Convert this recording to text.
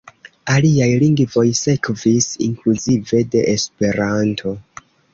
Aliaj lingvoj sekvis, inkluzive de Esperanto.